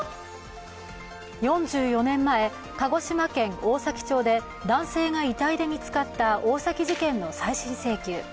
４４年前、鹿児島県大崎町で男性が遺体で見つかった大崎事件の再審請求。